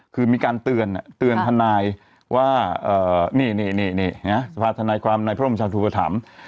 คือมีการเตือนอะเตือนท่านายว่าเอ่อนี่นี่นี่นี่เนี้ยสภาธนายความในพระรมชาติธุปฐัมษ์